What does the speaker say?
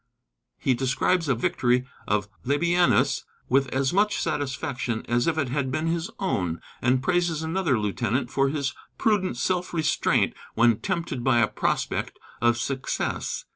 He describes a victory of Labienus with as much satisfaction as if it had been his own, and praises another lieutenant for his prudent self restraint when tempted by a prospect of success.